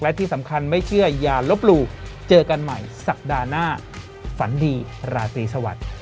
และที่สำคัญไม่เชื่ออย่าลบหลู่เจอกันใหม่สัปดาห์หน้าฝันดีราตรีสวัสดิ์